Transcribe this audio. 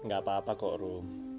gak apa apa kok ruh